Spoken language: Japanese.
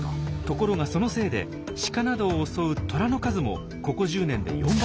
ところがそのせいでシカなどを襲うトラの数もここ１０年で４倍に増えたんです。